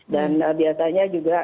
dan biasanya juga